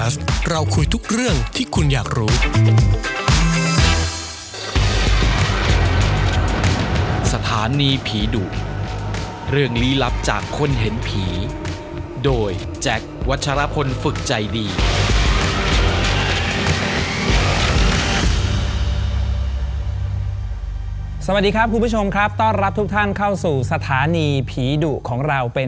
สวัสดีครับคุณผู้ชมครับต้อนรับทุกท่านเข้าสู่สถานีผีดุของเราเป็น